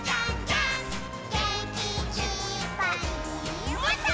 「げんきいっぱいもっと」